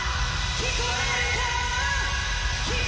聞こえるか？